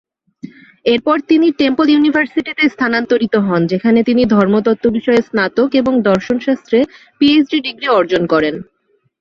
এরপর তিনি টেম্পল ইউনিভার্সিটিতে স্থানান্তরিত হন যেখানে তিনি ধর্মতত্ত্ব বিষয়ে স্নাতক এবং দর্শনশাস্ত্রে পিএইচডি ডিগ্রি অর্জন করেন।